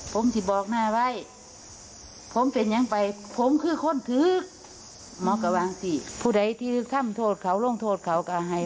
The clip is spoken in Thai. พุทธแห่งที่ถ้าโทษเค้าลงโทษเค้าก้าว